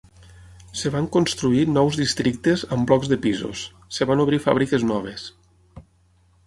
Es van construir nous districtes amb blocs de pisos, es van obrir fàbriques noves.